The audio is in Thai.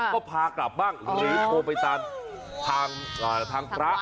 ก็พากลับบ้างหรือโทรไปตามทางพระ